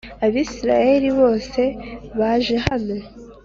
Abisirayeli bose baje hano